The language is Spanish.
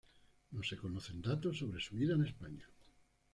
No se conocen datos sobre su vida en España.